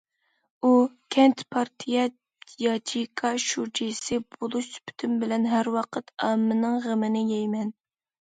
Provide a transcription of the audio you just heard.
ئۇ: كەنت پارتىيە ياچېيكا شۇجىسى بولۇش سۈپىتىم بىلەن ھەر ۋاقىت ئاممىنىڭ غېمىنى يەيمەن.